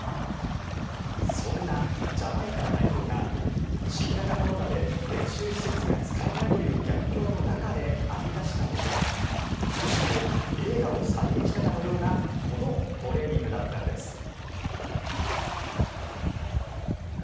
そんなジャマイカ代表が新型コロナで練習施設が使えないという逆境の中で編み出したのがくしくも映画を再現したかのようなこのトレーニングだったんです。